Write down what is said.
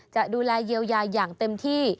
จะดูแลเยียวยาอย่างเต็มที่